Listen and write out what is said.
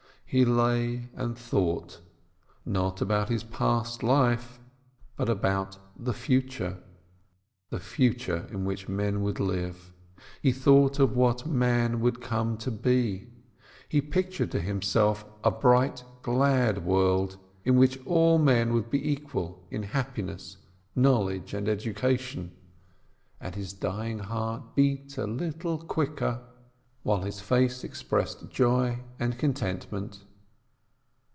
He lay and thought, not about his past life, but about the future, the future in which men would live. He thought of what man would come to be. He pictured to himself a bright, glad world, in which 352 PINSKI all men would be equal in happiness, knowledge, and education, and his dying heart beat a little quicker, while his face expressed joy and contentment.